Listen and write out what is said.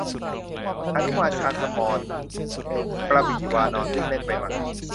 หนุมานชาญสมร กระบี่วานร วิ่งเล่นไปมา